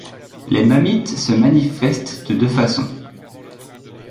Les mammites se manifestent de deux façons.